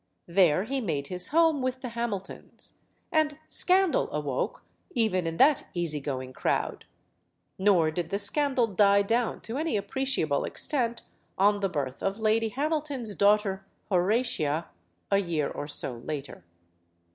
There he made his home with the Hamiltons. And scandal awoke, even in that easy going crowd. Nor did the scandal die down to any appreciable extent on the birth of Lady Hamilton's daughter, Horatia, a year or so later.